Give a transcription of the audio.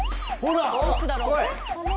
・どっちだろう？